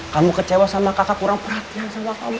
kamu kecewa sama kakak kurang perhatian sama kamu